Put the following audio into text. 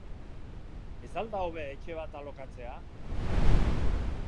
Ez al da hobe etxe bat alokatzea?